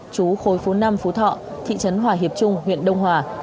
chú khối phố năm phú thọ thị trấn hòa hiệp trung huyện đông hòa